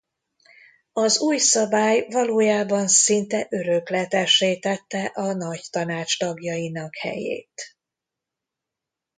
Az új szabály valójában szinte örökletessé tette a Nagytanács tagjainak helyét.